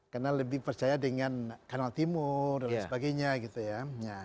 karena lebih percaya dengan kanal timur dan sebagainya gitu ya